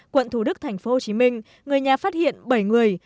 quận thủ đức tp hcm người nhà phát hiện bảy người